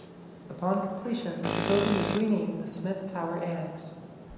Upon completion the building was renamed the Smith Tower Annex.